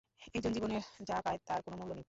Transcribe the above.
একজন জীবনে যা পায় তার কোনো মুল্য নেই।